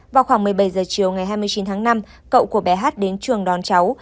vào khoảng một mươi bảy h chiều ngày hai mươi chín tháng năm cậu của bé hát đến trường đón cháu